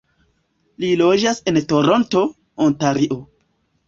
Li loĝas en Toronto, Ontario.